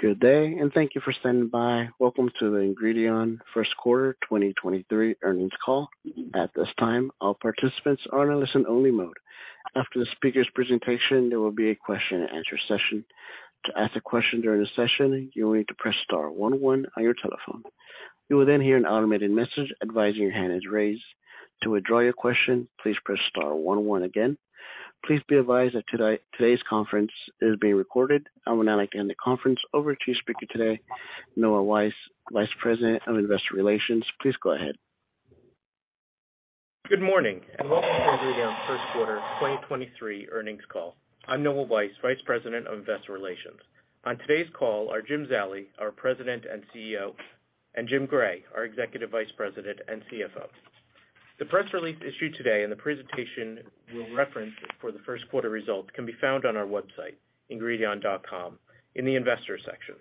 Good day, and thank you for standing by. Welcome to the Ingredion First Quarter 2023 earnings call. At this time, all participants are in a listen only mode. After the speaker's presentation, there will be a question and answer session. To ask a question during the session, you'll need to press star one one on your telephone. You will then hear an automated message advising your hand is raised. To withdraw your question, please press star 11 again. Please be advised that today's conference is being recorded. I would now like to hand the conference over to your speaker today, Noah Weiss, Vice President of Investor Relations. Please go ahead. Good morning, and welcome to Ingredion first quarter 2023 earnings call. I'm Noah Weiss, Vice President of Investor Relations. On today's call are Jim Zallie, our President and CEO, and Jim Gray, our Executive Vice President and CFO. The press release issued today and the presentation we'll reference for the first quarter results can be found on our website, ingredion.com in the investor section.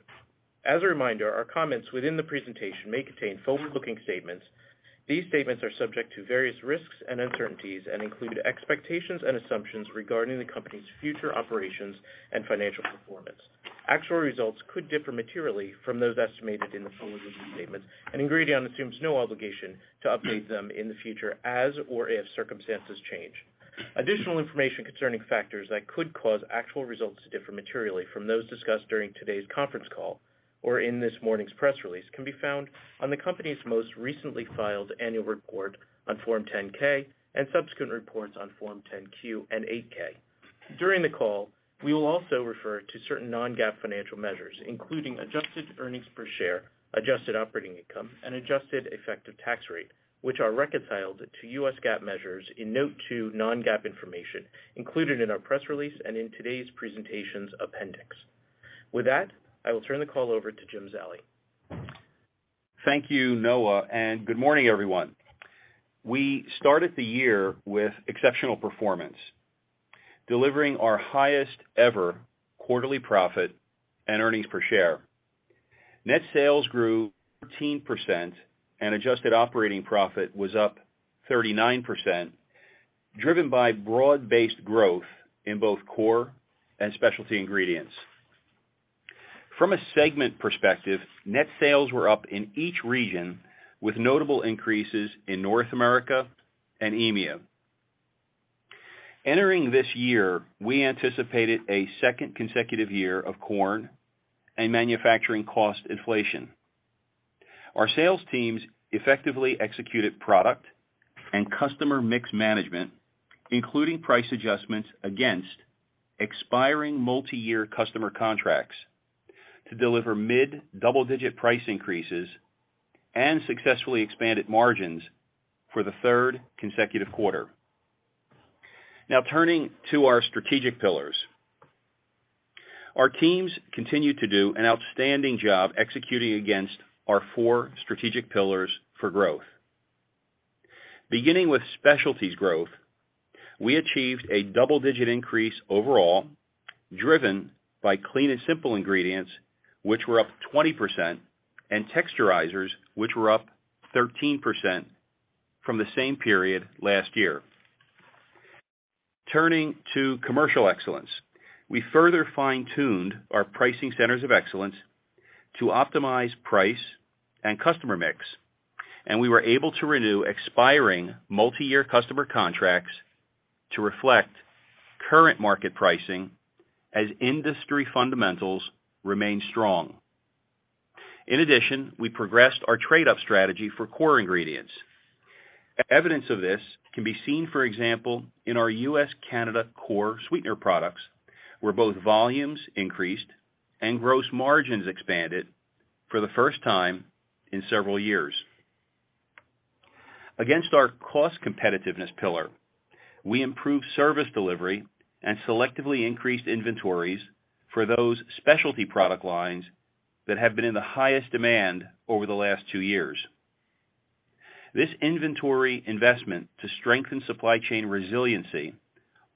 As a reminder, our comments within the presentation may contain forward-looking statements. These statements are subject to various risks and uncertainties and include expectations and assumptions regarding the company's future operations and financial performance. Actual results could differ materially from those estimated in the forward-looking statements, and Ingredion assumes no obligation to update them in the future as or if circumstances change. Additional information concerning factors that could cause actual results to differ materially from those discussed during today's conference call or in this morning's press release can be found on the company's most recently filed annual report on Form 10-K and subsequent reports on Form 10-Q and 8-K. During the call, we will also refer to certain non-GAAP financial measures, including adjusted earnings per share, adjusted operating income, and adjusted effective tax rate, which are reconciled to US GAAP measures in Note 2 non-GAAP information included in our press release and in today's presentations appendix. With that, I will turn the call over to Jim Zallie. Thank you, Noah. Good morning, everyone. We started the year with exceptional performance, delivering our highest ever quarterly profit and earnings per share. Net sales grew 14% and adjusted operating profit was up 39%, driven by broad-based growth in both core and specialty ingredients. From a segment perspective, net sales were up in each region with notable increases in North America and EMEA. Entering this year, we anticipated a second consecutive year of corn and manufacturing cost inflation. Our sales teams effectively executed product and customer mix management, including price adjustments against expiring multi-year customer contracts, to deliver mid-double-digit price increases and successfully expanded margins for the third consecutive quarter. Now turning to our strategic pillars. Our teams continue to do an outstanding job executing against our four strategic pillars for growth. Beginning with specialties growth, we achieved a double-digit increase overall, driven by Clean & Simple ingredients, which were up 20%, and texturizers which were up 13% from the same period last year. Turning to commercial excellence, we further fine-tuned our Pricing Centers of Excellence to optimize price and customer mix, and we were able to renew expiring multi-year customer contracts to reflect current market pricing as industry fundamentals remain strong. In addition, we progressed our trade-up strategy for core ingredients. Evidence of this can be seen, for example, in our US-Canada core sweetener products, where both volumes increased and gross margins expanded for the first time in several years. Against our cost competitiveness pillar, we improved service delivery and selectively increased inventories for those specialty product lines that have been in the highest demand over the last two years. This inventory investment to strengthen supply chain resiliency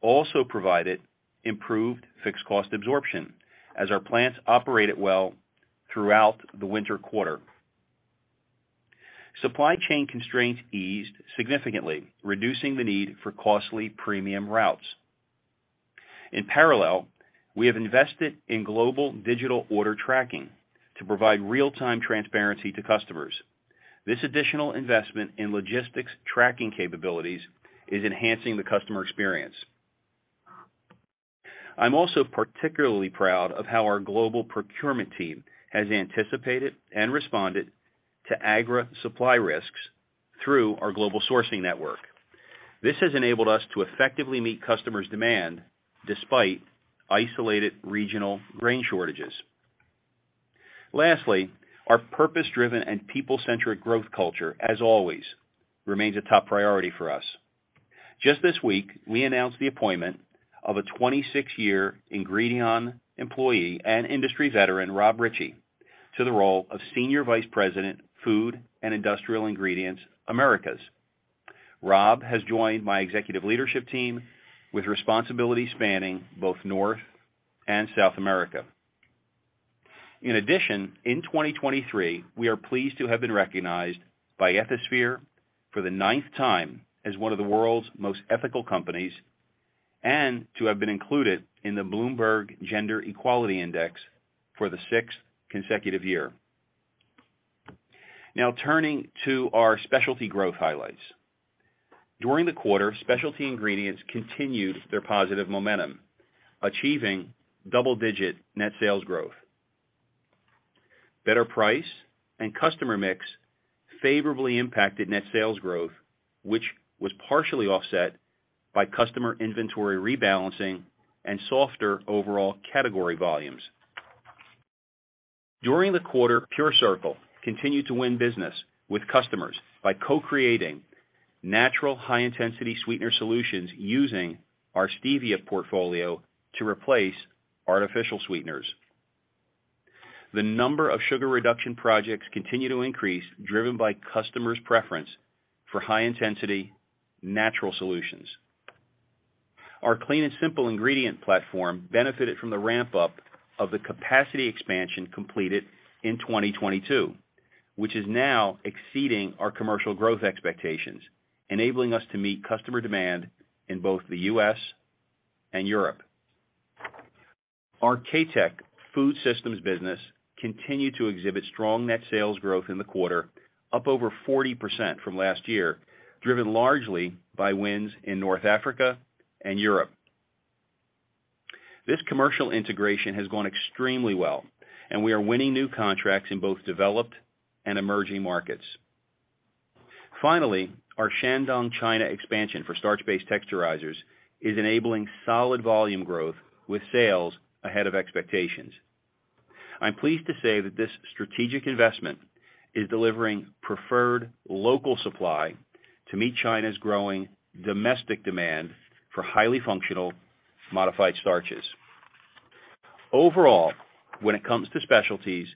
also provided improved fixed cost absorption as our plants operated well throughout the winter quarter. Supply chain constraints eased significantly, reducing the need for costly premium routes. In parallel, we have invested in global digital order tracking to provide real-time transparency to customers. This additional investment in logistics tracking capabilities is enhancing the customer experience. I'm also particularly proud of how our global procurement team has anticipated and responded to agri supply risks through our global sourcing network. This has enabled us to effectively meet customers' demand despite isolated regional grain shortages. Lastly, our purpose-driven and people-centric growth culture, as always, remains a top priority for us. Just this week, we announced the appointment of a 26-year Ingredion employee and industry veteran, Rob Ritchie, to the role of Senior Vice President, Food and Industrial Ingredients, Americas. Rob has joined my executive leadership team with responsibility spanning both North and South America. In addition, in 2023, we are pleased to have been recognized by Ethisphere for the nineth time as one of the world's most ethical companies. To have been included in the Bloomberg Gender Equality Index for the sixth consecutive year. Now turning to our specialty growth highlights. During the quarter, specialty ingredients continued their positive momentum, achieving double-digit net sales growth. Better price and customer mix favorably impacted net sales growth, which was partially offset by customer inventory rebalancing and softer overall category volumes. During the quarter, PureCircle continued to win business with customers by co-creating natural high-intensity sweetener solutions using our stevia portfolio to replace artificial sweeteners. The number of sugar reduction projects continue to increase, driven by customers' preference for high-intensity natural solutions. Our Clean & Simple ingredient platform benefited from the ramp-up of the capacity expansion completed in 2022, which is now exceeding our commercial growth expectations, enabling us to meet customer demand in both The US and Europe. Our KaTech Food Systems business continued to exhibit strong net sales growth in the quarter, up over 40% from last year, driven largely by wins in North Africa and Europe. This commercial integration has gone extremely well, and we are winning new contracts in both developed and emerging markets. Finally, our Shandong, China expansion for starch-based texturizers is enabling solid volume growth, with sales ahead of expectations. I'm pleased to say that this strategic investment is delivering preferred local supply to meet China's growing domestic demand for highly functional modified starches. Overall, when it comes to specialties,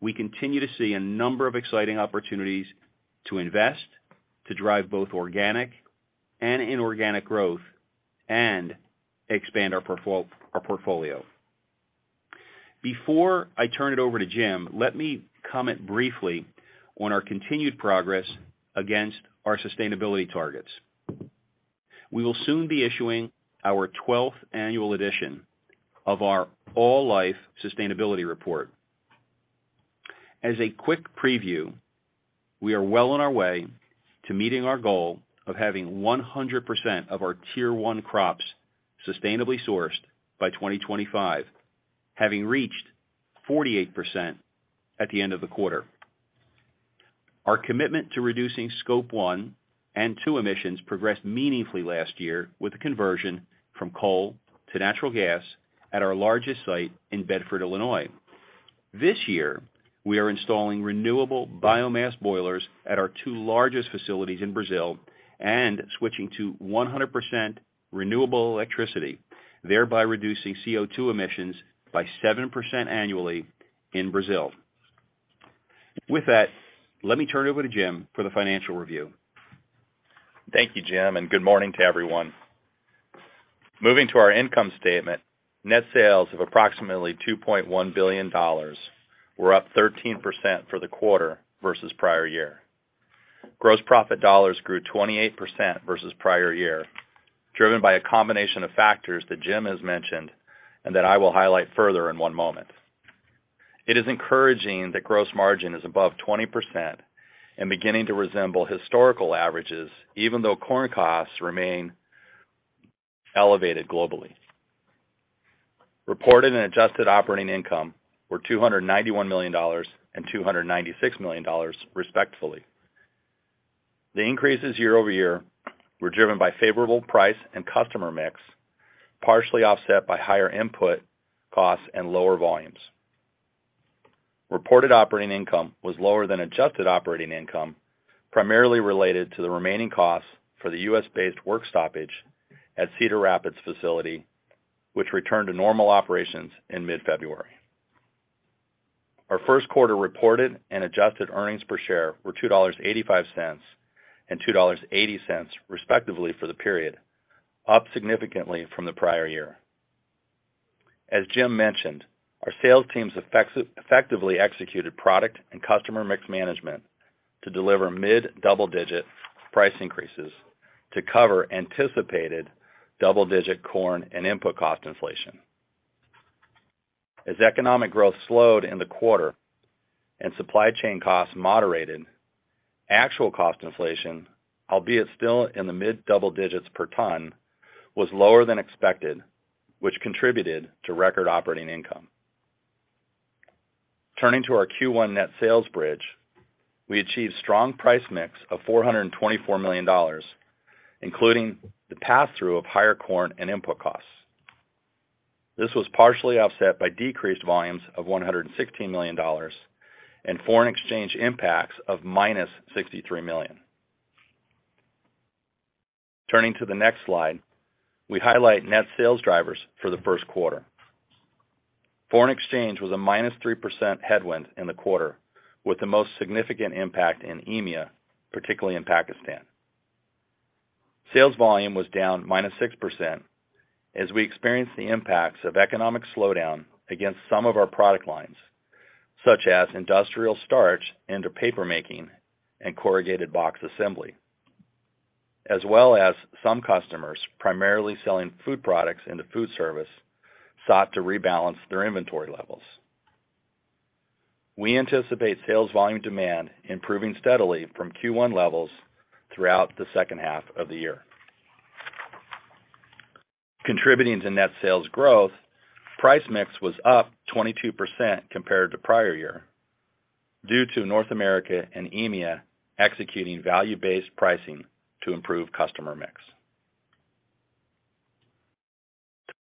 we continue to see a number of exciting opportunities to invest, to drive both organic and inorganic growth, and expand our portfolio. Before I turn it over to Jim, let me comment briefly on our continued progress against our sustainability targets. We will soon be issuing our 12th annual edition of our All Life sustainability report. As a quick preview, we are well on our way to meeting our goal of having 100% of our Tier 1 crops sustainably sourced by 2025, having reached 48% at the end of the quarter. Our commitment to reducing Scope 1 and 2 emissions progressed meaningfully last year with the conversion from coal to natural gas at our largest site in Bedford Park, Illinois. This year, we are installing renewable biomass boilers at our two largest facilities in Brazil and switching to 100% renewable electricity, thereby reducing CO2 emissions by 7% annually in Brazil. Let me turn it over to Jim for the financial review. Thank you, Jim, and good morning to everyone. Moving to our income statement, net sales of approximately $2.1 billion were up 13% for the quarter versus prior year. Gross profit dollars grew 28% versus prior year, driven by a combination of factors that Jim has mentioned and that I will highlight further in one moment. It is encouraging that gross margin is above 20% and beginning to resemble historical averages, even though corn costs remain elevated globally. Reported and adjusted operating income were $291 million and $296 million, respectively. The increases year-over-year were driven by favorable price and customer mix, partially offset by higher input costs and lower volumes. Reported operating income was lower than adjusted operating income, primarily related to the remaining costs for the US-based work stoppage at Cedar Rapids facility, which returned to normal operations in mid-February. Our first quarter reported and adjusted earnings per share were $2.85 and $2.80, respectively, for the period, up significantly from the prior year. As Jim mentioned, our sales teams effectively executed product and customer mix management to deliver mid-double-digit price increases to cover anticipated double-digit corn and input cost inflation. As economic growth slowed in the quarter and supply chain costs moderated, actual cost inflation, albeit still in the mid-double digits per ton, was lower than expected, which contributed to record operating income. Turning to our Q1 net sales bridge, we achieved strong price mix of $424 million, including the passthrough of higher corn and input costs. This was partially offset by decreased volumes of $116 million and foreign exchange impacts of -$63 million. Turning to the next slide, we highlight net sales drivers for the first quarter. Foreign exchange was a -3% headwind in the quarter, with the most significant impact in EMEA, particularly in Pakistan. Sales volume was down -6% as we experienced the impacts of economic slowdown against some of our product lines such as industrial starch into papermaking and corrugated box assembly, as well as some customers primarily selling food products into foodservice sought to rebalance their inventory levels. We anticipate sales volume demand improving steadily from Q1 levels throughout the second half of the year. Contributing to net sales growth, price mix was up 22% compared to prior year due to North America and EMEA executing value-based pricing to improve customer mix.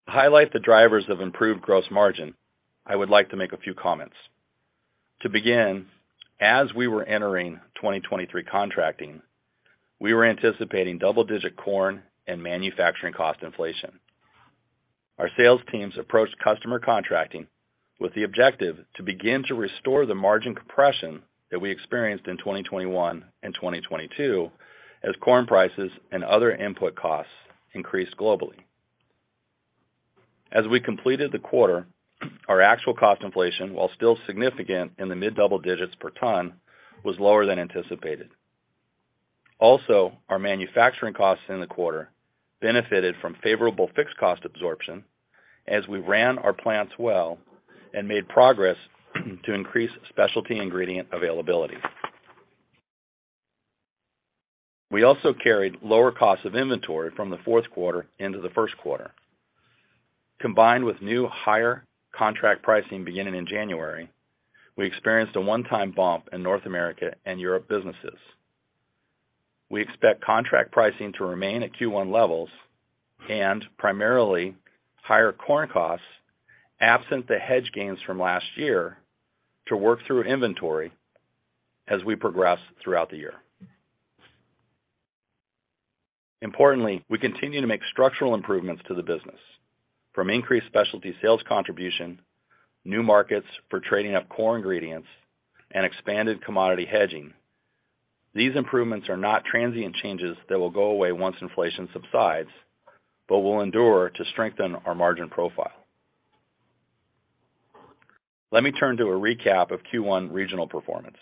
To highlight the drivers of improved gross margin, I would like to make a few comments. To begin, as we were entering 2023 contracting, we were anticipating double-digit corn and manufacturing cost inflation. Our sales teams approached customer contracting with the objective to begin to restore the margin compression that we experienced in 2021 and 2022 as corn prices and other input costs increased globally. As we completed the quarter, our actual cost inflation, while still significant in the mid-double digits per ton, was lower than anticipated. Our manufacturing costs in the quarter benefited from favorable fixed cost absorption as we ran our plants well and made progress to increase specialty ingredient availability. We also carried lower costs of inventory from the fourth quarter into the first quarter. Combined with new higher contract pricing beginning in January, we experienced a one-time bump in North America and Europe businesses. We expect contract pricing to remain at Q1 levels and primarily higher corn costs absent the hedge gains from last year to work through inventory as we progress throughout the year. Importantly, we continue to make structural improvements to the business from increased specialty sales contribution, new markets for trading up core ingredients, and expanded commodity hedging. These improvements are not transient changes that will go away once inflation subsides, but will endure to strengthen our margin profile. Let me turn to a recap of Q1 regional performance.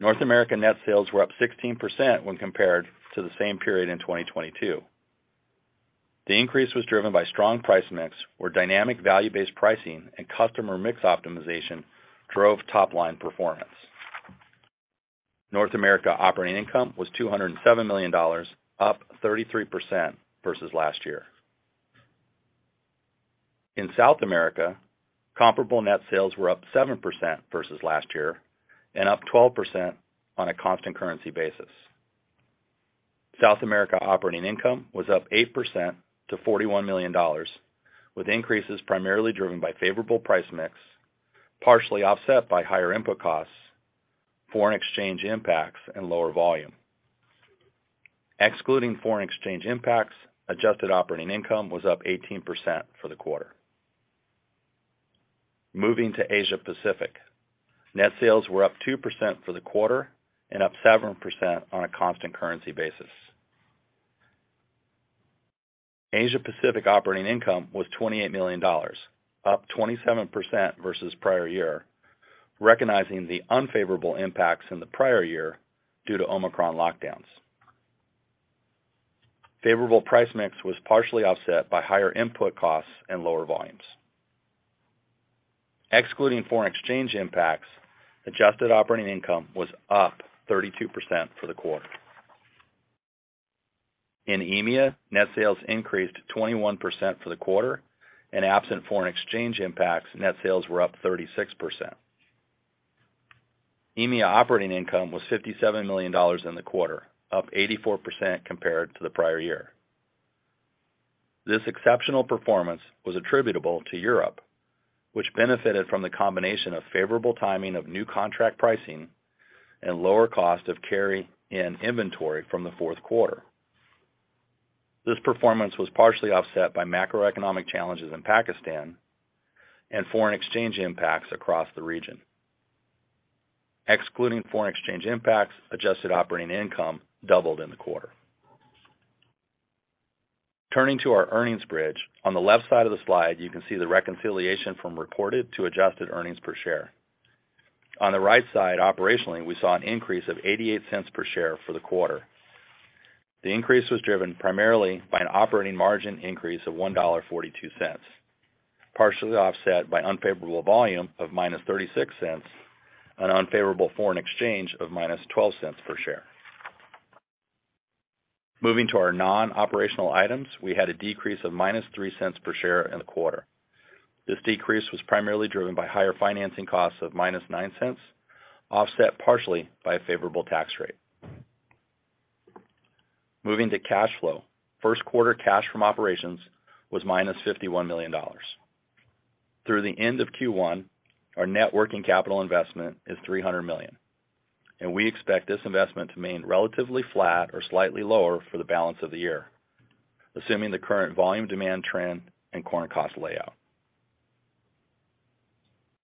North America net sales were up 16% when compared to the same period in 2022. The increase was driven by strong price mix, where dynamic value-based pricing and customer mix optimization drove top-line performance. North America operating income was $207 million, up 33% versus last year. In South America, comparable net sales were up 7% versus last year and up 12% on a constant currency basis. South America operating income was up 8% to $41 million, with increases primarily driven by favorable price mix, partially offset by higher input costs, foreign exchange impacts and lower volume. Excluding foreign exchange impacts, adjusted operating income was up 18% for the quarter. Moving to Asia Pacific. Net sales were up 2% for the quarter and up 7% on a constant currency basis. Asia Pacific operating income was $28 million, up 27% versus prior year, recognizing the unfavorable impacts in the prior year due to Omicron lockdowns. Favorable price mix was partially offset by higher input costs and lower volumes. Excluding foreign exchange impacts, adjusted operating income was up 32% for the quarter. In EMEA, net sales increased 21% for the quarter, and absent foreign exchange impacts, net sales were up 36%. EMEA operating income was $57 million in the quarter, up 84% compared to the prior year. This exceptional performance was attributable to Europe, which benefited from the combination of favorable timing of new contract pricing and lower cost of carry in inventory from the fourth quarter. This performance was partially offset by macroeconomic challenges in Pakistan and foreign exchange impacts across the region. Excluding foreign exchange impacts, adjusted operating income doubled in the quarter. Turning to our earnings bridge. On the left side of the slide, you can see the reconciliation from reported to adjusted earnings per share. On the right side, operationally, we saw an increase of $0.88 per share for the quarter. The increase was driven primarily by an operating margin increase of $1.42, partially offset by unfavorable volume of -$0.36 and unfavorable foreign exchange of -$0.12 per share. Moving to our non-operational items, we had a decrease of -$0.03 per share in the quarter. This decrease was primarily driven by higher financing costs of -$0.09, offset partially by a favorable tax rate. Moving to cash flow. First quarter cash from operations was -$51 million. Through the end of Q1, our net working capital investment is $300 million, and we expect this investment to remain relatively flat or slightly lower for the balance of the year, assuming the current volume demand trend and corn cost layout.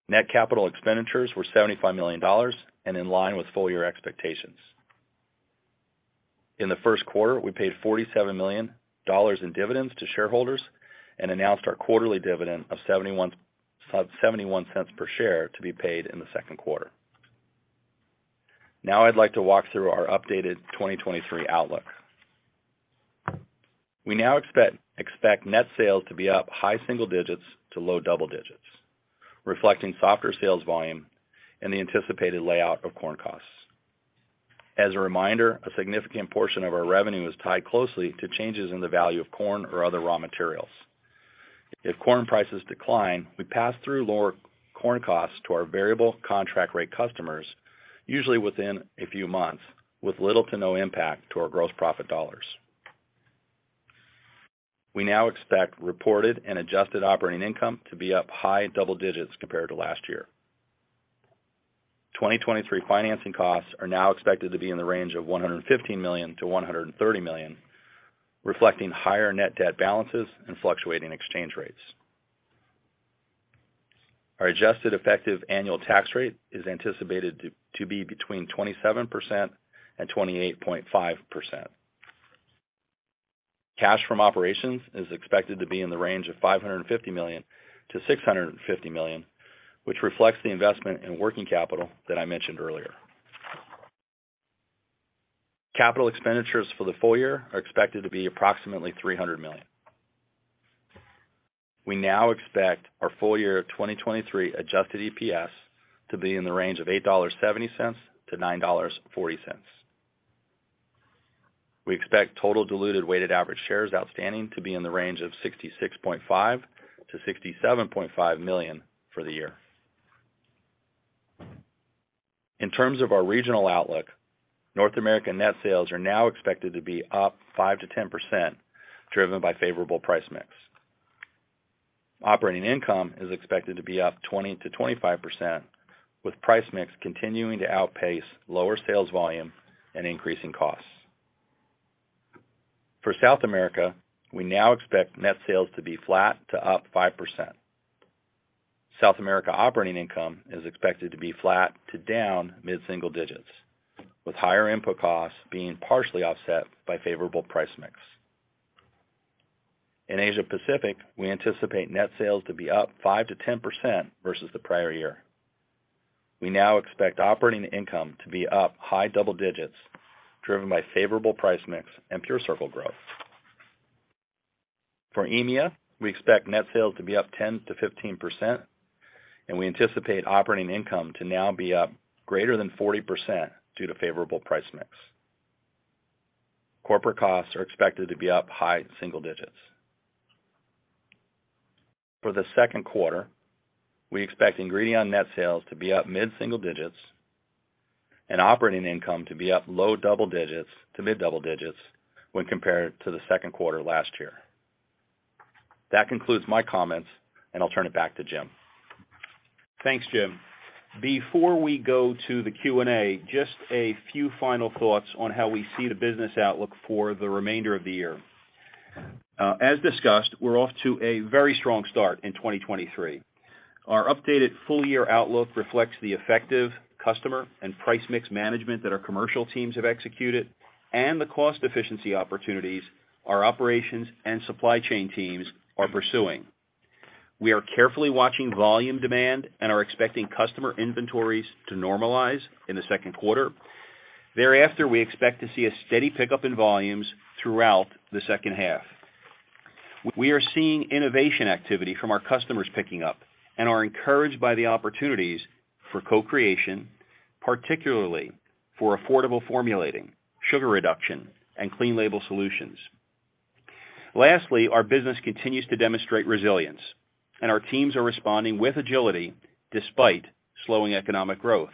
Net capital expenditures were $75 million and in line with full year expectations. In the first quarter, we paid $47 million in dividends to shareholders and announced our quarterly dividend of $0.71 per share to be paid in the second quarter. Now I'd like to walk through our updated 2023 outlook. We now expect net sales to be up high single digits to low double digits, reflecting softer sales volume and the anticipated layout of corn costs. As a reminder, a significant portion of our revenue is tied closely to changes in the value of corn or other raw materials. If corn prices decline, we pass through lower corn costs to our variable contract rate customers, usually within a few months, with little to no impact to our gross profit dollars. We now expect reported and adjusted operating income to be up high double digits compared to last year. 2023 financing costs are now expected to be in the range of $150 million-$130 million, reflecting higher net debt balances and fluctuating exchange rates. Our adjusted effective annual tax rate is anticipated to be between 27% and 28.5%. Cash from operations is expected to be in the range of $550 million-$650 million, which reflects the investment in working capital that I mentioned earlier. Capital expenditures for the full year are expected to be approximately $300 million. We now expect our full year 2023 adjusted EPS to be in the range of $8.70-$9.40. We expect total diluted weighted average shares outstanding to be in the range of $66.5 million-$67.5 million for the year. In terms of our regional outlook, North American net sales are now expected to be up 5%-10% driven by favorable price mix. Operating income is expected to be up 20%-25%, with price mix continuing to outpace lower sales volume and increasing costs. For South America, we now expect net sales to be flat to up 5%. South America operating income is expected to be flat to down mid-single digits, with higher input costs being partially offset by favorable price mix. In Asia Pacific, we anticipate net sales to be up 5%-10% versus the prior year. We now expect operating income to be up high double digits, driven by favorable price mix and PureCircle growth. For EMEA, we expect net sales to be up 10%-15%, and we anticipate operating income to now be up greater than 40% due to favorable price mix. Corporate costs are expected to be up high single digits. For the second quarter, we expect Ingredion net sales to be up mid-single digits and operating income to be up low double digits to mid-double digits when compared to the second quarter last year. That concludes my comments, and I'll turn it back to Jim. Thanks, Jim. Before we go to the Q&A, just a few final thoughts on how we see the business outlook for the remainder of the year. As discussed, we're off to a very strong start in 2023. Our updated full year outlook reflects the effective customer and price mix management that our commercial teams have executed and the cost efficiency opportunities our operations and supply chain teams are pursuing. We are carefully watching volume demand and are expecting customer inventories to normalize in the second quarter. Thereafter, we expect to see a steady pickup in volumes throughout the second half. We are seeing innovation activity from our customers picking up and are encouraged by the opportunities for co-creation, particularly for affordable formulating, sugar reduction, and clean label solutions. Lastly, our business continues to demonstrate resilience, and our teams are responding with agility despite slowing economic growth.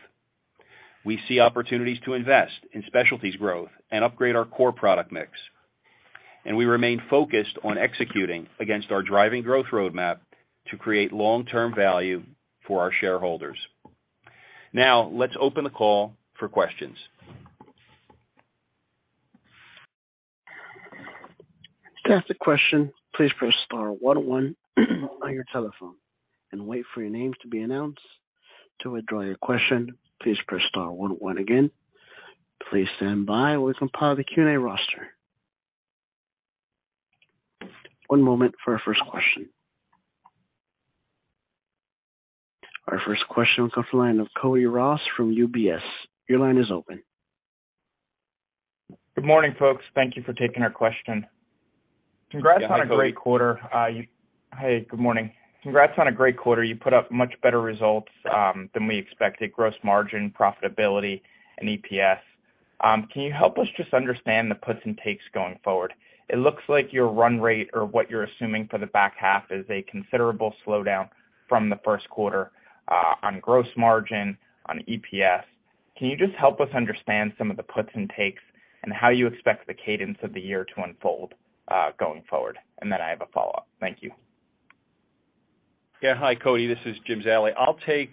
We see opportunities to invest in specialties growth and upgrade our core product mix, and we remain focused on executing against our driving growth roadmap to create long-term value for our shareholders. Let's open the call for questions. To ask a question, please press star one one on your telephone and wait for your name to be announced. To withdraw your question, please press star one one again. Please stand by while we compile the Q&A roster. One moment for our first question. Our first question comes off the line of Cody Ross from UBS. Your line is open. Good morning, folks. Thank you for taking our question. Yeah. Hi, Cody. Congrats on a great quarter. Good morning. Congrats on a great quarter. You put up much better results than we expected, gross margin, profitability, and EPS. Can you help us just understand the puts and takes going forward? It looks like your run rate or what you're assuming for the back half is a considerable slowdown from the first quarter on gross margin, on EPS. Can you just help us understand some of the puts and takes and how you expect the cadence of the year to unfold going forward? Then I have a follow-up. Thank you. Hi, Cody, this is Jim Zallie. I'll take,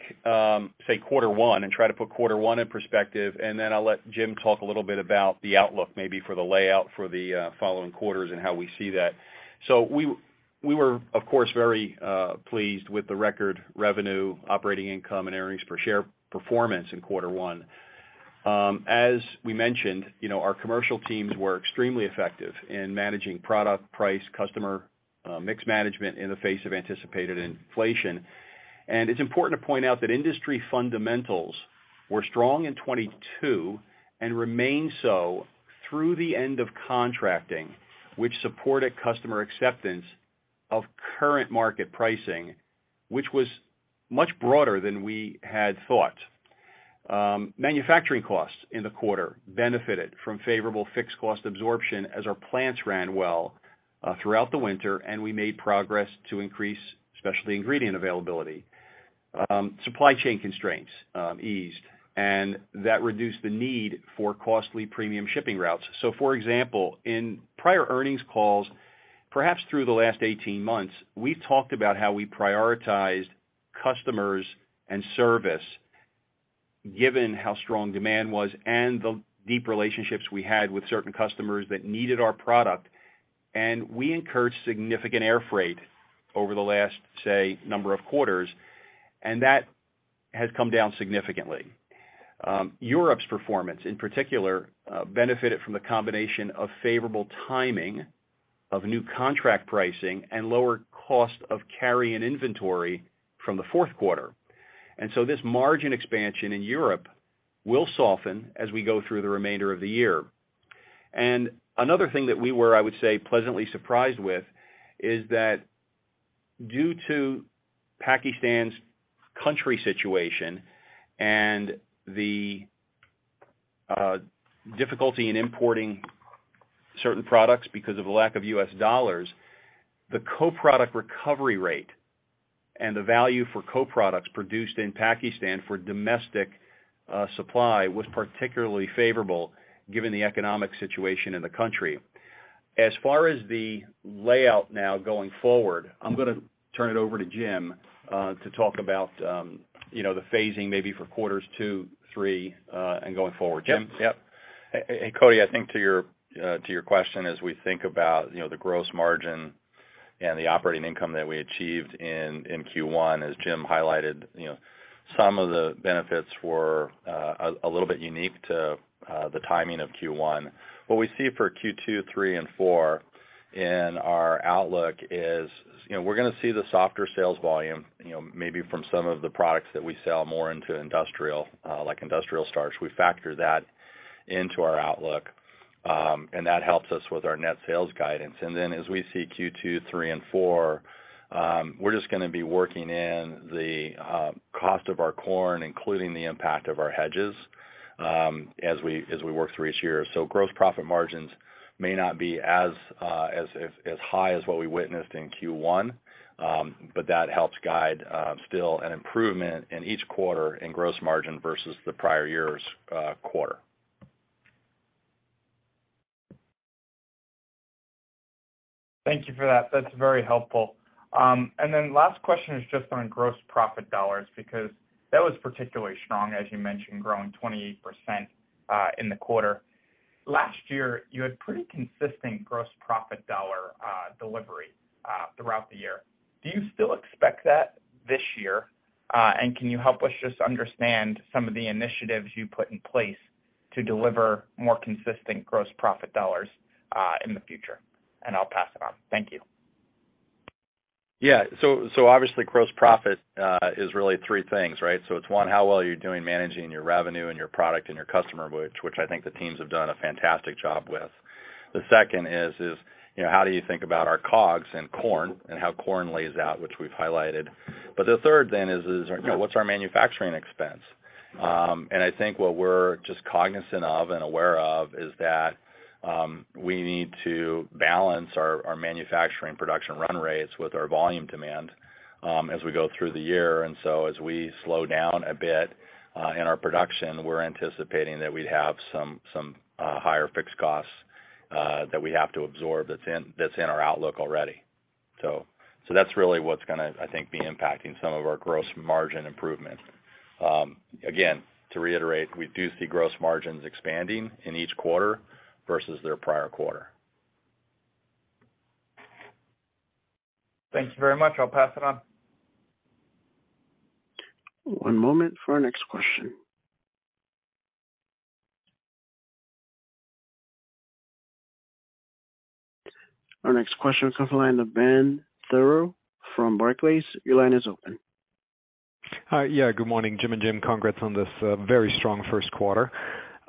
say, quarter one and try to put quarter one in perspective, and then I'll let Jim talk a little bit about the outlook maybe for the layout for the following quarters and how we see that. We were, of course, very pleased with the record revenue, operating income and earnings per share performance in quarter one. As we mentioned, you know, our commercial teams were extremely effective in managing product price, customer mix management in the face of anticipated inflation. It's important to point out that industry fundamentals were strong in 2022 and remain so through the end of contracting, which supported customer acceptance of current market pricing, which was much broader than we had thought. Manufacturing costs in the quarter benefited from favorable fixed cost absorption as our plants ran well throughout the winter, and we made progress to increase specialty ingredient availability. Supply chain constraints eased, that reduced the need for costly premium shipping routes. For example, in prior earnings calls, perhaps through the last 18 months, we've talked about how we prioritized customers and service given how strong demand was and the deep relationships we had with certain customers that needed our product. We incurred significant air freight over the last, say, number of quarters, and that has come down significantly. Europe's performance, in particular, benefited from the combination of favorable timing of new contract pricing and lower cost of carry and inventory from the fourth quarter. This margin expansion in Europe will soften as we go through the remainder of the year. Another thing that we were, I would say, pleasantly surprised with is that due to Pakistan's country situation and the difficulty in importing certain products because of the lack of US dollars, the co-product recovery rate and the value for co-products produced in Pakistan for domestic supply was particularly favorable given the economic situation in the country. As far as the layout now going forward, I'm gonna turn it over to Jim to talk about, you know, the phasing maybe for quarters two, three, and going forward. Jim? Yep. Yep. Cody, I think to your question, as we think about, you know, the gross margin and the operating income that we achieved in Q1, as Jim highlighted, you know, some of the benefits were a little bit unique to the timing of Q1. What we see for Q2, Q3 and Q4 in our outlook is, you know, we're gonna see the softer sales volume, you know, maybe from some of the products that we sell more into industrial, like industrial starch. We factor that into our outlook, and that helps us with our net sales guidance. As we see Q2, Q3 and Q4, we're just gonna be working in the cost of our corn, including the impact of our hedges, as we work through each year. gross profit margins may not be as high as what we witnessed in Q1, but that helps guide, still an improvement in each quarter in gross margin versus the prior year's quarter. Thank you for that. That's very helpful. Last question is just on gross profit dollars, because that was particularly strong, as you mentioned, growing 28% in the quarter. Last year, you had pretty consistent gross profit dollar delivery throughout the year. Do you still expect that this year? Can you help us just understand some of the initiatives you put in place to deliver more consistent gross profit dollars in the future? I'll pass it on. Thank you. Obviously gross profit is really three things, right? It's one, how well are you doing managing your revenue and your product and your customer, which I think the teams have done a fantastic job with. The second, you know, how do you think about our COGS and corn and how corn lays out, which we've highlighted. The third then, you know, what's our manufacturing expense? I think what we're just cognizant of and aware of is that we need to balance our manufacturing production run rates with our volume demand as we go through the year. As we slow down a bit in our production, we're anticipating that we'd have higher fixed costs that we have to absorb that's in our outlook already. That's really what's gonna, I think, be impacting some of our gross margin improvement. Again, to reiterate, we do see gross margins expanding in each quarter versus their prior quarter. Thank you very much. I'll pass it on. One moment for our next question. Our next question comes from the line of Ben Theurer from Barclays. Your line is open. Hi. Yeah, good morning, Jim and Jim. Congrats on this, very strong first quarter.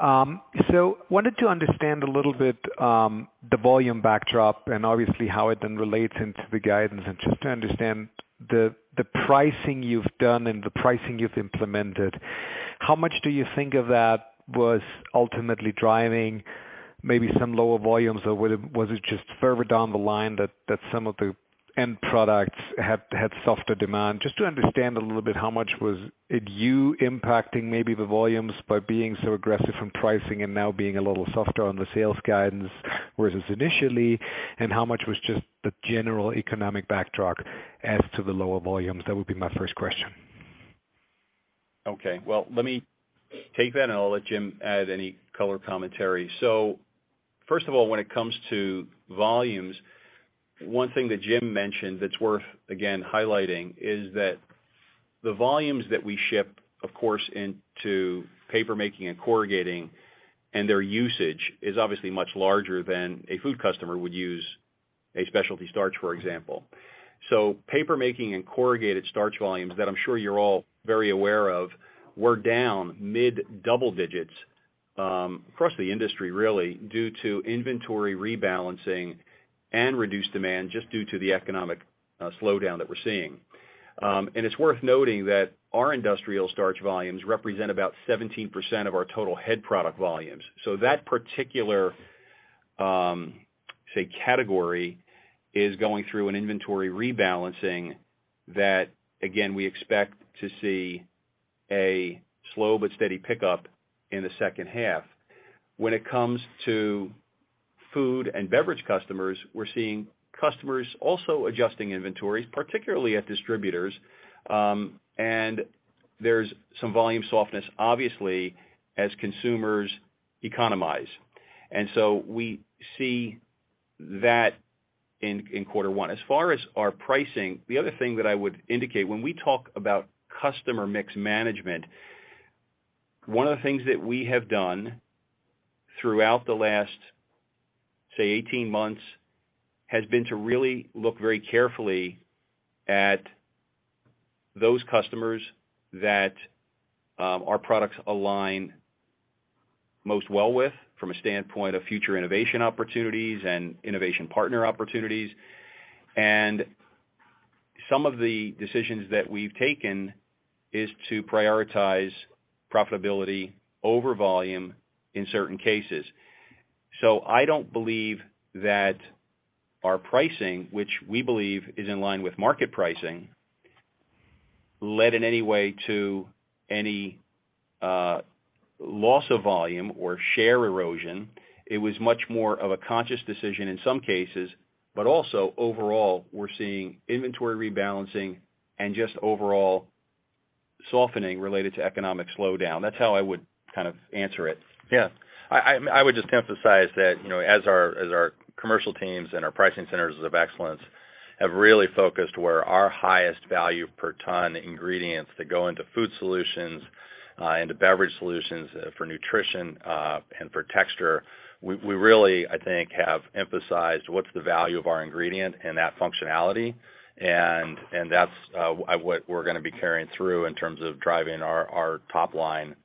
Wanted to understand a little bit, the volume backdrop and obviously how it then relates into the guidance. Just to understand the pricing you've done and the pricing you've implemented, how much do you think of that was ultimately driving maybe some lower volumes? Or was it just further down the line that some of the end products had softer demand? Just to understand a little bit how much was it you impacting maybe the volumes by being so aggressive from pricing and now being a little softer on the sales guidance versus initially, and how much was just the general economic backdrop as to the lower volumes? That would be my first question. Well, let me take that and I'll let Jim add any color commentary. First of all, when it comes to volumes, one thing that Jim mentioned that's worth, again, highlighting is that the volumes that we ship, of course, into paper making and corrugating and their usage is obviously much larger than a food customer would use a specialty starch, for example. Paper making and corrugated starch volumes that I'm sure you're all very aware of were down mid double digits across the industry really due to inventory rebalancing and reduced demand just due to the economic slowdown that we're seeing. It's worth noting that our industrial starch volumes represent about 17% of our total head product volumes. That particular, say, category is going through an inventory rebalancing that again, we expect to see a slow but steady pickup in the second half. When it comes to food and beverage customers, we're seeing customers also adjusting inventories, particularly at distributors, and there's some volume softness, obviously, as consumers economize. We see that in quarter one. As far as our pricing, the other thing that I would indicate when we talk about customer mix management, one of the things that we have done throughout the last, say, 18 months, has been to really look very carefully at those customers that our products align most well with from a standpoint of future innovation opportunities and innovation partner opportunities. Some of the decisions that we've taken is to prioritize profitability over volume in certain cases. I don't believe that our pricing, which we believe is in line with market pricing, led in any way to any loss of volume or share erosion. It was much more of a conscious decision in some cases. Also overall, we're seeing inventory rebalancing and just overall softening related to economic slowdown. That's how I would kind of answer it. Yeah. I would just emphasize that, you know, as our commercial teams and our Pricing Centers of Excellence have really focused where our highest value per ton ingredients that go into food solutions, into beverage solutions for nutrition, and for texture, we really, I think, have emphasized what's the value of our ingredient and that functionality. That's what we're gonna be carrying through in terms of driving our top line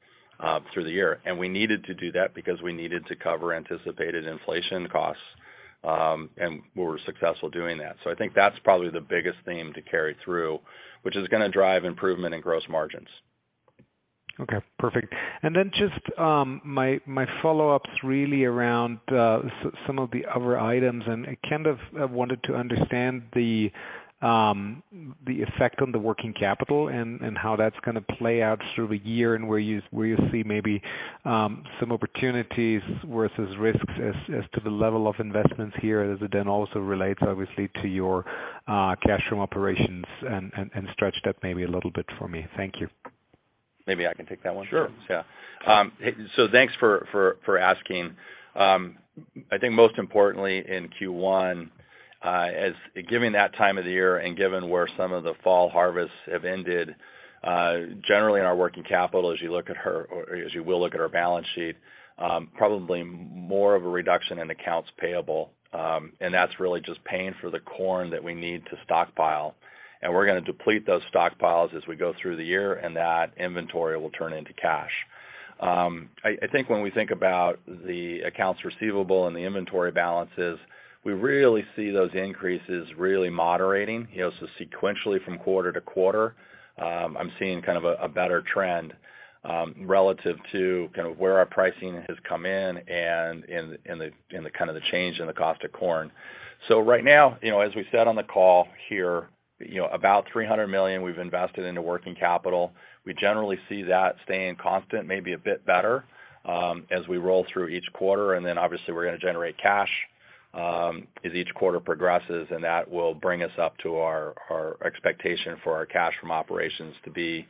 through the year. We needed to do that because we needed to cover anticipated inflation costs, and we were successful doing that. I think that's probably the biggest theme to carry through, which is gonna drive improvement in gross margins. Okay. Perfect. Just my follow-up's really around some of the other items. I kind of wanted to understand the effect on the working capital and how that's gonna play out through the year. Where you see maybe some opportunities versus risks as to the level of investments here as it then also relates obviously to your cash from operations and stretch that maybe a little bit for me. Thank you. Maybe I can take that one. Sure. Yeah. Thanks for asking. I think most importantly in Q1, as given that time of the year and given where some of the fall harvests have ended, generally in our working capital, as you will look at our balance sheet, probably more of a reduction in accounts payable. That's really just paying for the corn that we need to stockpile. We're gonna deplete those stockpiles as we go through the year, and that inventory will turn into cash. I think when we think about the accounts receivable and the inventory balances, we really see those increases really moderating. You know, sequentially from quarter to quarter, I'm seeing kind of a better trend, relative to kind of where our pricing has come in and in the kind of the change in the cost of corn. Right now, you know, as we said on the call here, you know, about $300 million we've invested into working capital. We generally see that staying constant, maybe a bit better, as we roll through each quarter. Obviously we're gonna generate cash, as each quarter progresses, and that will bring us up to our expectation for our cash from operations to be,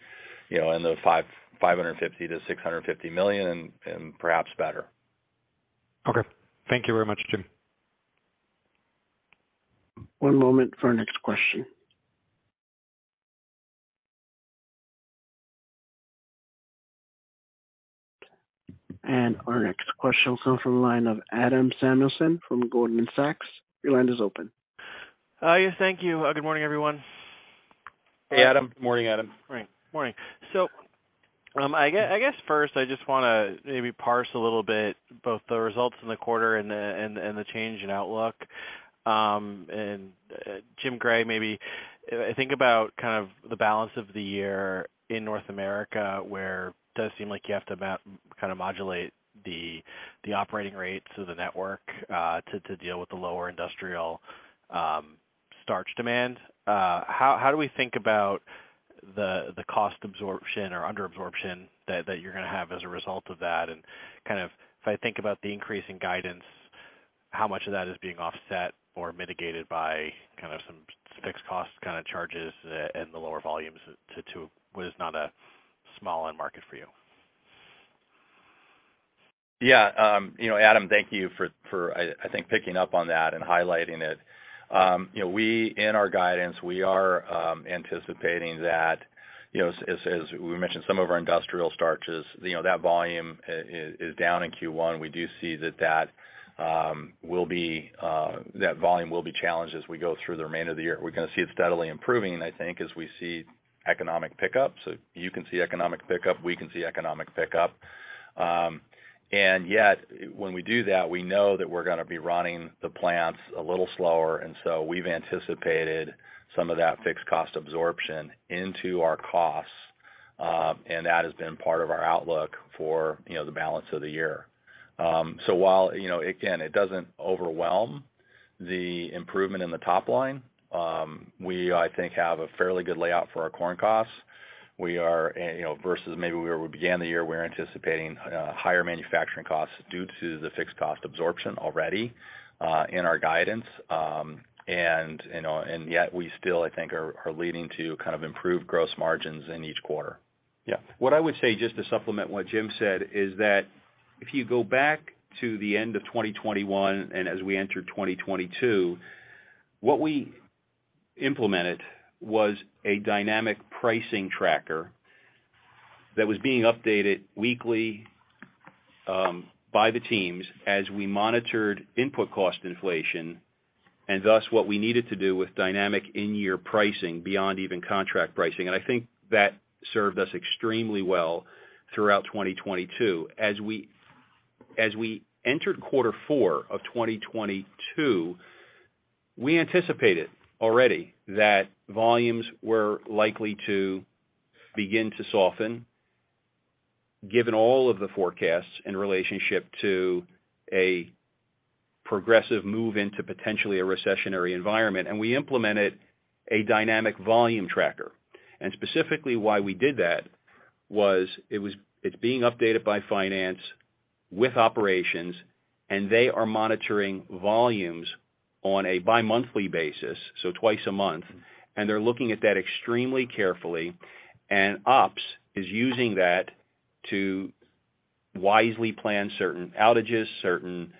you know, in the $550 million-$650 million and perhaps better. Okay. Thank you very much, Jim. One moment for our next question. Our next question will come from the line of Adam Samuelson from Goldman Sachs. Your line is open. Yeah, thank you. Good morning, everyone. Hey, Adam. Morning, Adam. Morning. Morning. I guess first, I just wanna maybe parse a little bit both the results in the quarter and the change in outlook. Jim Gray, maybe, think about kind of the balance of the year in North America, where it does seem like you have to kinda modulate the operating rates of the network, to deal with the lower industrial starch demand. How do we think about the cost absorption or under absorption that you're gonna have as a result of that? Kind of if I think about the increase in guidance, how much of that is being offset or mitigated by kind of some fixed cost kind of charges and the lower volumes to what is not a small end market for you? Yeah. You know, Adam, thank you for, I think, picking up on that and highlighting it. You know, we, in our guidance, we are anticipating that, you know, as we mentioned, some of our industrial starches, you know, that volume is down in Q1. We do see that that volume will be challenged as we go through the remainder of the year. We're gonna see it steadily improving, I think, as we see economic pickup. You can see economic pickup, we can see economic pickup. Yet when we do that, we know that we're gonna be running the plants a little slower, so we've anticipated some of that fixed cost absorption into our costs. That has been part of our outlook for, you know, the balance of the year. While, you know, again, it doesn't overwhelm the improvement in the top line, we, I think, have a fairly good layout for our corn costs. We are, you know, versus maybe where we began the year, we're anticipating higher manufacturing costs due to the fixed cost absorption already in our guidance. You know, and yet we still, I think, are leading to kind of improved gross margins in each quarter. Yeah. What I would say, just to supplement what Jim said, is that if you go back to the end of 2021 and as we entered 2022, what we implemented was a dynamic pricing tracker that was being updated weekly, by the teams as we monitored input cost inflation, and thus what we needed to do with dynamic in-year pricing beyond even contract pricing. I think that served us extremely well throughout 2022. As we entered quarter four of 2022, we anticipated already that volumes were likely to begin to soften given all of the forecasts in relationship to a progressive move into potentially a recessionary environment. We implemented a dynamic volume tracker. Specifically why we did that was it's being updated by finance with operations, and they are monitoring volumes on a bimonthly basis, so twice a month, and they're looking at that extremely carefully. Ops is using that to wisely plan certain outages, certain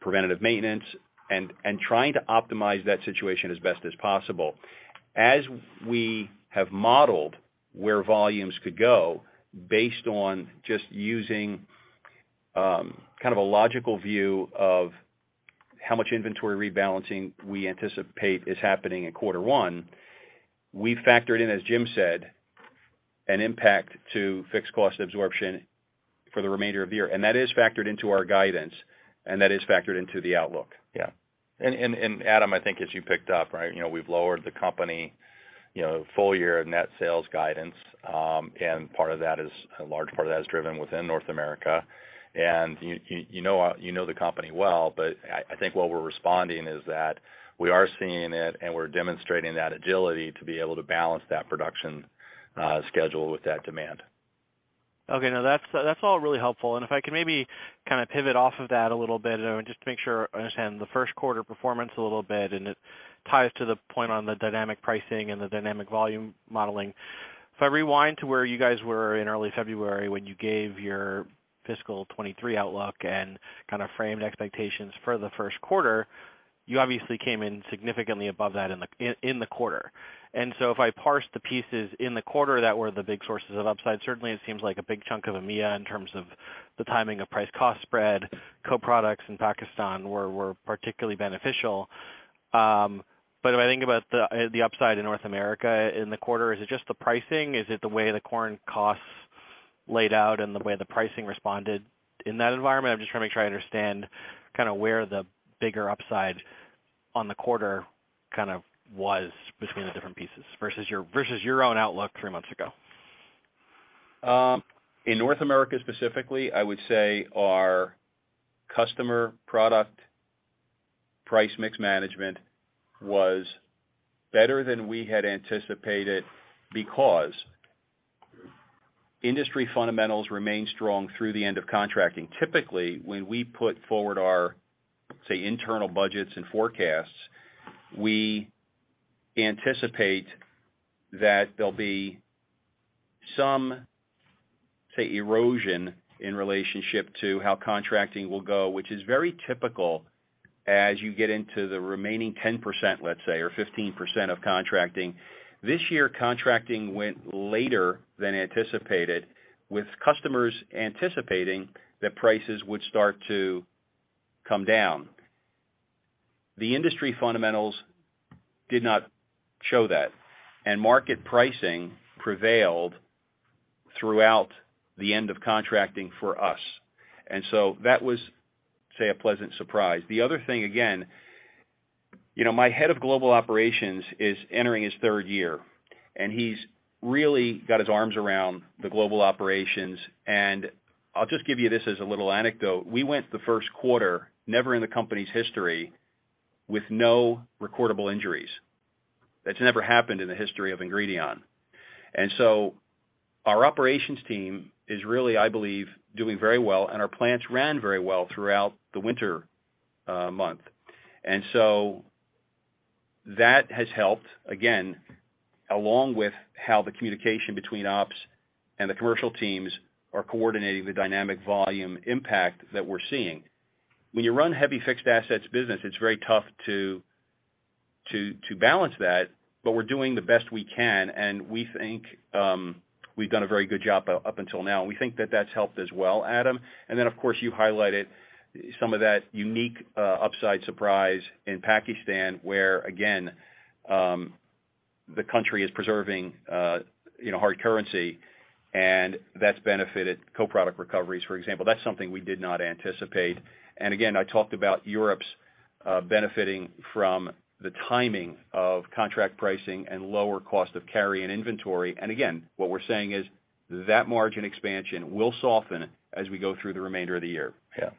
preventative maintenance, and trying to optimize that situation as best as possible. As we have modeled where volumes could go based on just using kind of a logical view of how much inventory rebalancing we anticipate is happening in quarter 1, we factored in, as Jim said, an impact to fixed cost absorption for the remainder of the year. That is factored into our guidance, and that is factored into the outlook. Yeah. Adam, I think as you picked up, right, you know, we've lowered the company, you know, full year net sales guidance, and a large part of that is driven within North America. You know, the company well, but I think what we're responding is that we are seeing it, and we're demonstrating that agility to be able to balance that production schedule with that demand. Okay. No, that's all really helpful. If I could maybe kind of pivot off of that a little bit, just to make sure I understand the first quarter performance a little bit, it ties to the point on the dynamic pricing and the dynamic volume modeling. If I rewind to where you guys were in early February when you gave your fiscal 23 outlook and kind of framed expectations for the first quarter, you obviously came in significantly above that in the quarter. If I parse the pieces in the quarter that were the big sources of upside, certainly it seems like a big chunk of EMEA in terms of the timing of price cost spread, co-products in Pakistan were particularly beneficial. If I think about the upside in North America in the quarter, is it just the pricing? Is it the way the corn costs laid out and the way the pricing responded in that environment? I'm just trying to make sure I understand kind of where the bigger upside on the quarter kind of was between the different pieces versus your, versus your own outlook three months ago. In North America specifically, I would say our customer product price mix management was better than we had anticipated because industry fundamentals remained strong through the end of contracting. Typically, when we put forward our, say, internal budgets and forecasts, we anticipate that there'll be some, say, erosion in relationship to how contracting will go, which is very typical as you get into the remaining 10%, let's say, or 15% of contracting. This year, contracting went later than anticipated, with customers anticipating that prices would start to come down. The industry fundamentals did not show that, and market pricing prevailed throughout the end of contracting for us. That was, say, a pleasant surprise. The other thing, again, you know, my head of global operations is entering his third year, and he's really got his arms around the global operations. I'll just give you this as a little anecdote. We went the first quarter, never in the company's history, with no recordable injuries. That's never happened in the history of Ingredion. Our operations team is really, I believe, doing very well and our plants ran very well throughout the winter month. That has helped, again, along with how the communication between ops and the commercial teams are coordinating the dynamic volume impact that we're seeing. When you run heavy fixed assets business, it's very tough to balance that, but we're doing the best we can, and we think we've done a very good job up until now. We think that that's helped as well, Adam. Of course, you highlighted some of that unique upside surprise in Pakistan, where again, the country is preserving, you know, hard currency and that's benefited co-product recoveries, for example. That's something we did not anticipate. I talked about Europe's benefiting from the timing of contract pricing and lower cost of carry and inventory. What we're saying is that margin expansion will soften as we go through the remainder of the year. Yeah.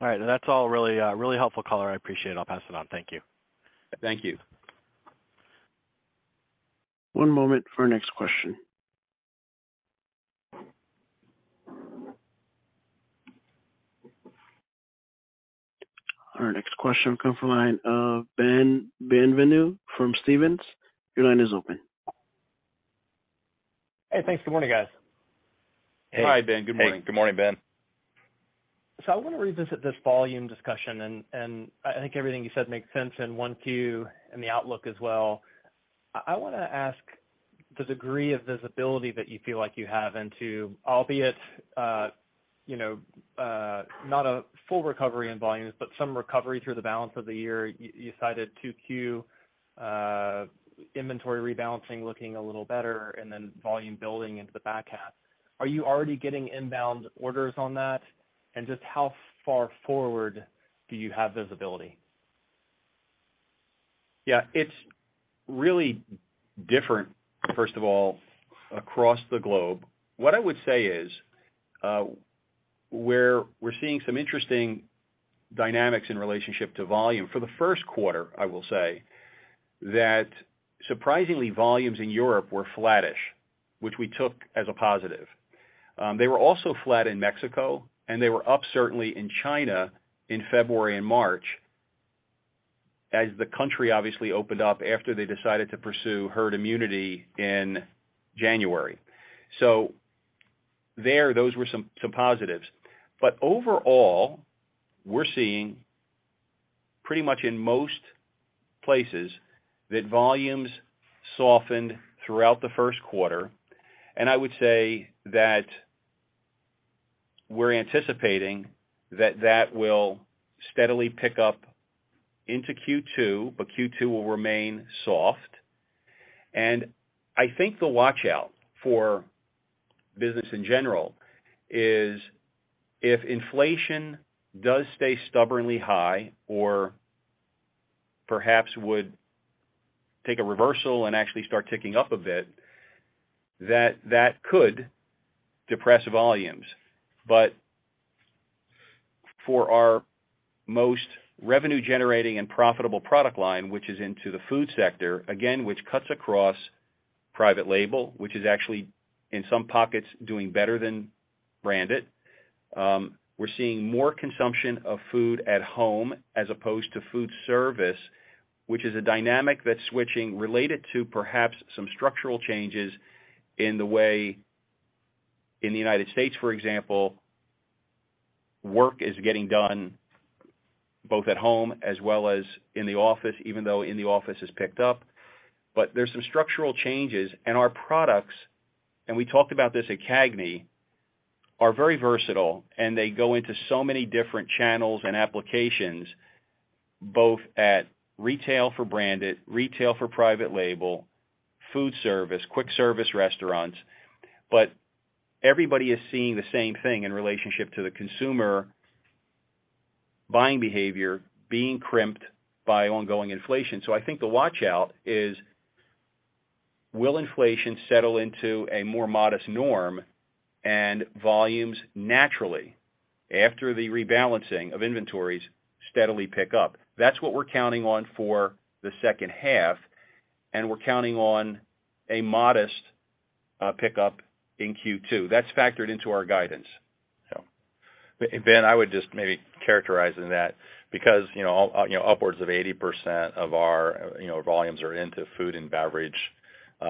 All right. That's all really, really helpful color. I appreciate it. I'll pass it on. Thank you. Thank you. One moment for our next question. Our next question will come from the line of Ben Bienvenu from Stephens. Your line is open. Hey, thanks. Good morning, guys. Hi, Ben. Good morning. Hey. Good morning, Ben. I wanna revisit this volume discussion and I think everything you said makes sense in 1Q and the outlook as well. I wanna ask the degree of visibility that you feel like you have into, albeit, you know, not a full recovery in volumes, but some recovery through the balance of the year. You cited 2Q inventory rebalancing looking a little better and then volume building into the back half. Are you already getting inbound orders on that? Just how far forward do you have visibility? Yeah. It's really different, first of all, across the globe. What I would say is, we're seeing some interesting dynamics in relationship to volume. For the first quarter, I will say that surprisingly, volumes in Europe were flattish, which we took as a positive. They were also flat in Mexico and they were up certainly in China in February and March as the country obviously opened up after they decided to pursue herd immunity in January. There, those were some positives. Overall, we're seeing pretty much in most places that volumes softened throughout the first quarter. I would say that we're anticipating that that will steadily pick up into Q2, but Q2 will remain soft. I think the watch out for business in general is if inflation does stay stubbornly high or perhaps would take a reversal and actually start ticking up a bit, that could depress volumes. For our most revenue generating and profitable product line, which is into the food sector, again, which cuts across private label, which is actually in some pockets doing better than branded, we're seeing more consumption of food at home as opposed to food service, which is a dynamic that's switching related to perhaps some structural changes in the way in the United States, for example, work is getting done both at home as well as in the office, even though in the office has picked up. There's some structural changes and our products, and we talked about this at CAGNY, are very versatile, and they go into so many different channels and applications, both at retail for branded, retail for private label, food service, quick service restaurants. Everybody is seeing the same thing in relationship to the consumer buying behavior being crimped by ongoing inflation. I think the watch out is, will inflation settle into a more modest norm and volumes naturally after the rebalancing of inventories steadily pick up? That's what we're counting on for the second half and we're counting on a modest pickup in Q2. That's factored into our guidance. Ben, I would just maybe characterize in that because, you know, all, you know, upwards of 80% of our, you know, volumes are into food and beverage, you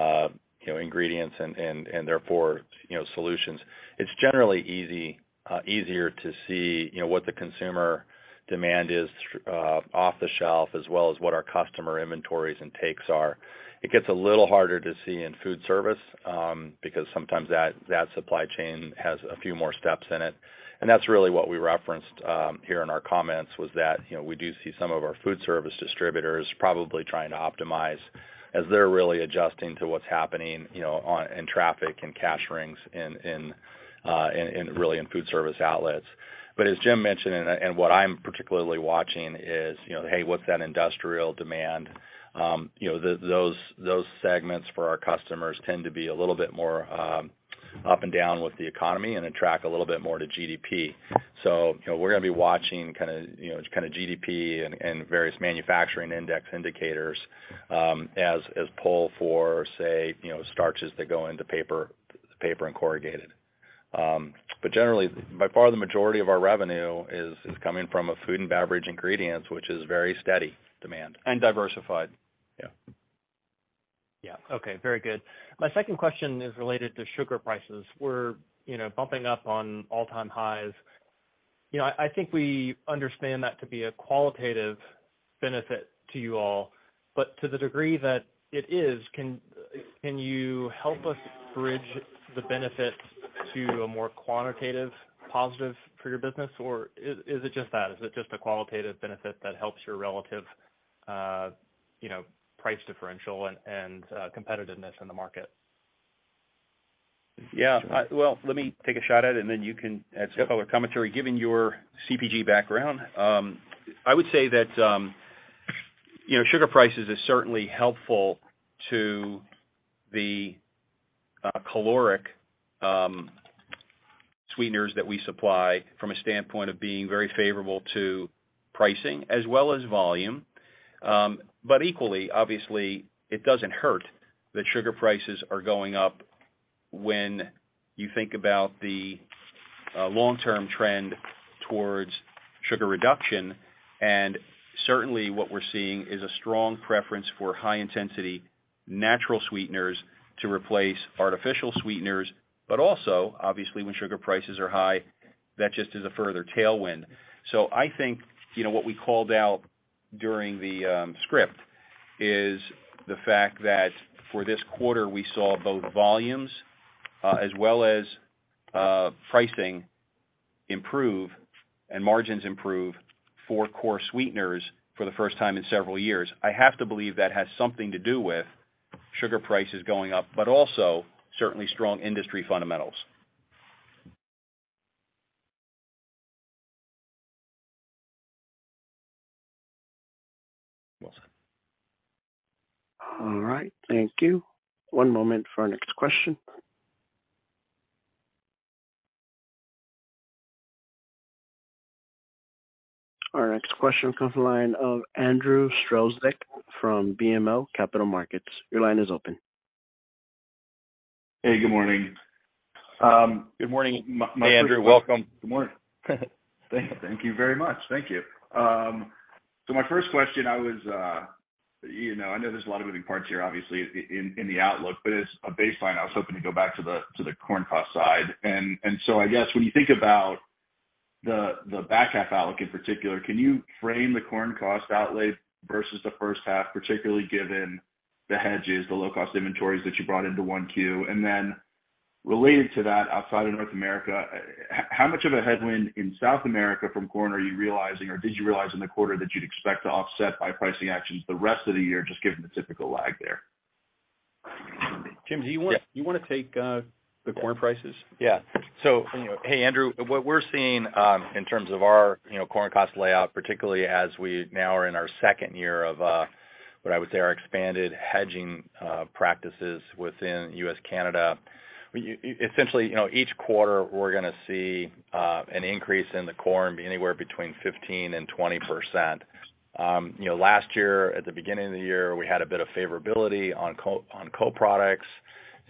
know, ingredients and therefore, you know, solutions. It's generally easy, easier to see, you know, what the consumer demand is off the shelf as well as what our customer inventories and takes are. It gets a little harder to see in food service because sometimes that supply chain has a few more steps in it. That's really what we referenced here in our comments was that, you know, we do see some of our food service distributors probably trying to optimize as they're really adjusting to what's happening, you know, in traffic and cash rings in really in food service outlets. As Jim mentioned and what I'm particularly watching is, you know, hey, what's that industrial demand? You know, those segments for our customers tend to be a little bit more up and down with the economy and then track a little bit more to GDP. You know, we're gonna be watching kind of, you know, just kind of GDP and various manufacturing index indicators, as pull for, say, you know, starches that go into paper and corrugated. Generally, by far the majority of our revenue is coming from a food and beverage ingredients, which is very steady demand. Diversified. Yeah. Yeah. Okay. Very good. My second question is related to sugar prices. We're, you know, bumping up on all-time highs. You know, I think we understand that to be a qualitative benefit to you all, but to the degree that it is, can you help us bridge the benefit to a more quantitative positive for your business? Is it just that? Is it just a qualitative benefit that helps your relative, you know, price differential and competitiveness in the market? Yeah. Well, let me take a shot at it, and then you can add some color commentary given your CPG background. I would say that, you know, sugar prices is certainly helpful to the caloric sweeteners that we supply from a standpoint of being very favorable to pricing as well as volume. Equally, obviously, it doesn't hurt that sugar prices are going up when you think about the long-term trend towards sugar reduction. Certainly, what we're seeing is a strong preference for high-intensity natural sweeteners to replace artificial sweeteners. Also, obviously, when sugar prices are high, that just is a further tailwind. I think, you know, what we called out during the script is the fact that for this quarter, we saw both volumes, as well as pricing improve and margins improve for core sweeteners for the first time in several years. I have to believe that has something to do with sugar prices going up, also certainly strong industry fundamentals. Well said. All right. Thank you. One moment for our next question. Our next question comes the line of Andrew Strelzik from BMO Capital Markets. Your line is open. Hey, good morning. Good morning. Hey, Andrew. Welcome. Good morning. Thank you very much. Thank you. My first question, I was, you know, I know there's a lot of moving parts here, obviously, in the outlook, but as a baseline, I was hoping to go back to the corn cost side. I guess when you think about the back half outlook in particular, can you frame the corn cost outlay versus the first half, particularly given the hedges, the low-cost inventories that you brought into 1Q? Related to that, outside of North America, how much of a headwind in South America from corn are you realizing or did you realize in the quarter that you'd expect to offset by pricing actions the rest of the year just given the typical lag there? Jim, do you? Yeah. Do you wanna take the corn prices? Yeah. You know, hey, Andrew, what we're seeing, in terms of our, you know, corn cost layout, particularly as we now are in our second year of what I would say our expanded hedging practices within U.S., Canada, essentially, you know, each quarter we're gonna see an increase in the corn be anywhere between 15% and 20%. You know, last year, at the beginning of the year, we had a bit of favorability on co-products,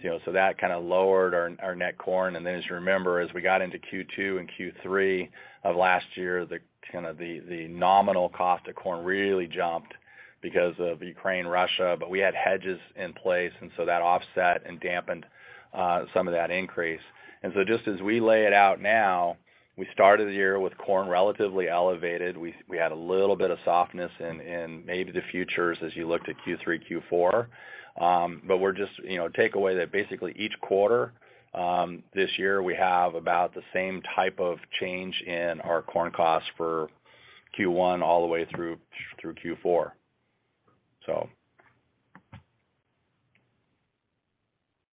you know, that kinda lowered our net corn. Then as you remember, as we got into Q2 and Q3 of last year, kinda the nominal cost of corn really jumped because of Ukraine, Russia, but we had hedges in place, that offset and dampened some of that increase. Just as we lay it out now, we started the year with corn relatively elevated. We had a little bit of softness in maybe the futures as you looked at Q3, Q4. We're just, you know, take away that basically each quarter, this year we have about the same type of change in our corn costs for Q1 all the way through Q4. So.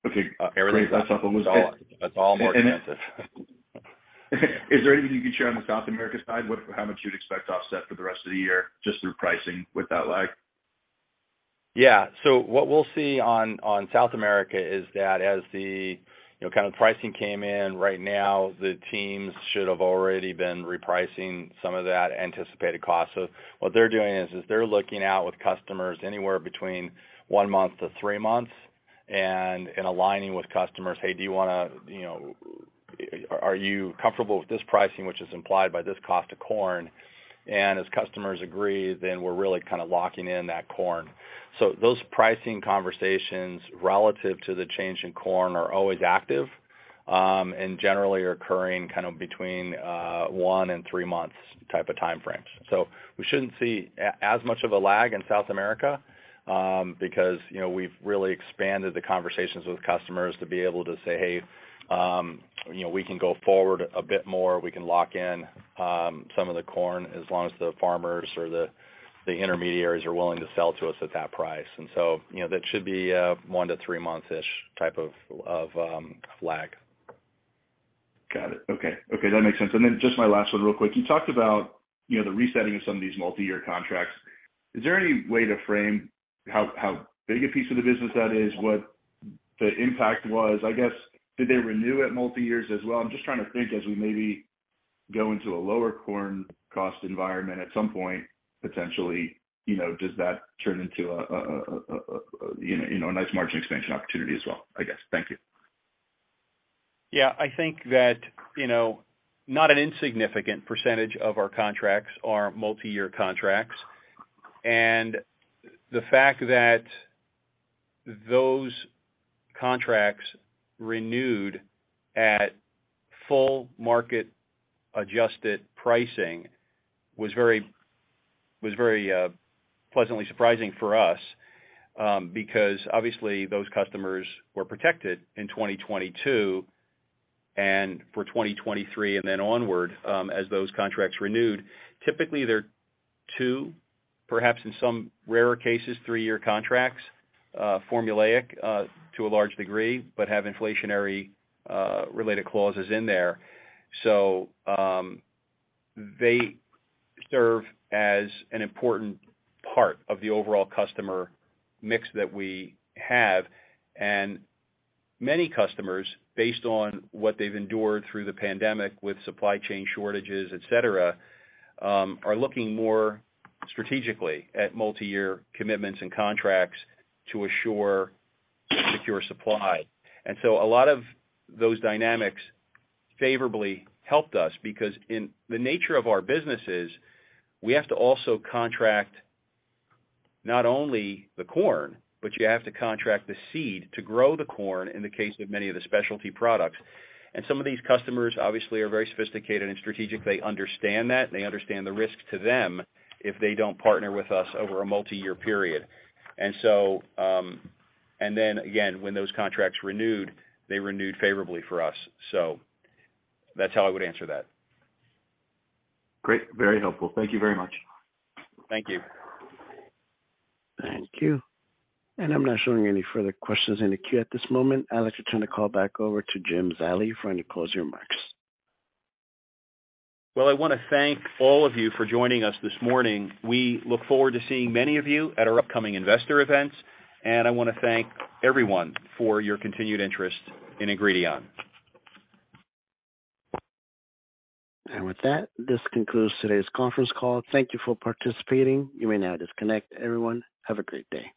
Okay. That's all Is there anything you can share on the South America side, how much you'd expect to offset for the rest of the year just through pricing with that lag? Yeah. What we'll see on South America is that as the, you know, kind of pricing came in right now, the teams should have already been repricing some of that anticipated cost. What they're doing is they're looking out with customers anywhere between one month to three months and aligning with customers. "Hey, are you comfortable with this pricing, which is implied by this cost of corn?" As customers agree, then we're really kind of locking in that corn. Those pricing conversations relative to the change in corn are always active, and generally are occurring kind of between one and three months type of time frames. We shouldn't see as much of a lag in South America, because, you know, we've really expanded the conversations with customers to be able to say, "Hey, you know, we can go forward a bit more. We can lock in some of the corn as long as the farmers or the intermediaries are willing to sell to us at that price." You know, that should be a one to three-month-ish type of lag. Got it. Okay. Okay, that makes sense. Just my last one real quick. You talked about, you know, the resetting of some of these multi-year contracts. Is there any way to frame how big a piece of the business that is? What the impact was? I guess, did they renew it multi-years as well? I'm just trying to think as we maybe go into a lower corn cost environment at some point, potentially, you know, does that turn into a nice margin expansion opportunity as well, I guess. Thank you. Yeah. I think that, you know, not an insignificant percentage of our contracts are multi-year contracts. The fact that those contracts renewed at full market adjusted pricing was very pleasantly surprising for us, because obviously those customers were protected in 2022 and for 2023 and then onward, as those contracts renewed. Typically, they're 2, perhaps in some rarer cases, three-year contracts, formulaic to a large degree, but have inflationary related clauses in there. They serve as an important part of the overall customer mix that we have. Many customers, based on what they've endured through the pandemic with supply chain shortages, et cetera, are looking more strategically at multi-year commitments and contracts to assure secure supply. A lot of those dynamics favorably helped us because in the nature of our businesses, we have to also contract not only the corn, but you have to contract the seed to grow the corn in the case of many of the specialty products. Some of these customers obviously are very sophisticated and strategic. They understand that, and they understand the risk to them if they don't partner with us over a multi-year period. When those contracts renewed, they renewed favorably for us. That's how I would answer that. Great. Very helpful. Thank you very much. Thank you. Thank you. I'm not showing any further questions in the queue at this moment. I'd like to turn the call back over to Jim Zallie for any closing remarks. Well, I wanna thank all of you for joining us this morning. We look forward to seeing many of you at our upcoming investor events. I wanna thank everyone for your continued interest in Ingredion. With that, this concludes today's conference call. Thank you for participating. You may now disconnect. Everyone, have a great day.